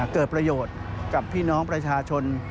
เกิดประโยชน์กับพี่น้องประชาชน